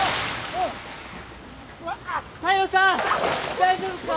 大丈夫っすか！？